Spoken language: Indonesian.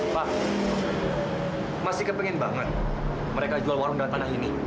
pak masih kepengen banget mereka jual warung dan tanah ini